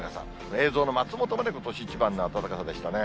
映像の松本までことし一番の暖かさでしたね。